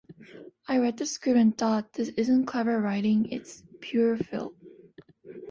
I read the script and thought, this isn't clever writing, it's pure filth.